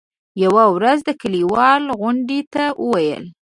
يوه ورځ د کلیوالو غونډې ته وویل.